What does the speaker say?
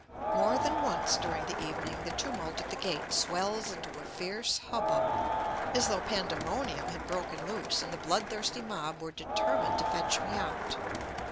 More than once during the evening the tumult at the gate swells into a fierce hubbub, as though pandemonium had broken loose, and the blood thirsty mob were determined to fetch me out.